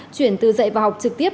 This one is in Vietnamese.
chuyển từ dạy và học trực tiếp